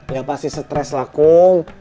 gak pasti stres lah kum